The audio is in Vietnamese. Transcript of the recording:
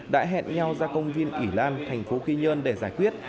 đã hẹn nhau ra công viên ỉ lan tp quy nhơn để giải quyết